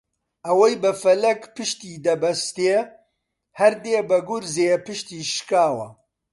ئەوەی بە فەلەک پشتیدەبەستێ هەر دێ بە گورزێ پشتی شکاوە